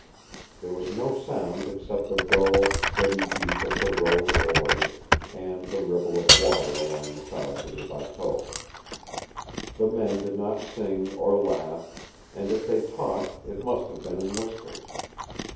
There was no sound except the dull, steady beat of the rowers' oars, and the ripple of water along the sides of the bateau. The men did not sing or laugh, and if they talked it must have been in whispers.